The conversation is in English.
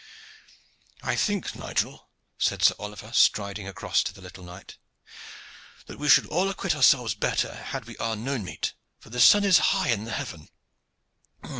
"I think, Nigel," said Sir Oliver, striding across to the little knight, "that we should all acquit ourselves better had we our none meat, for the sun is high in the heaven."